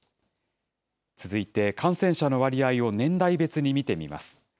続いて感染者の割合を年代別に見てみます。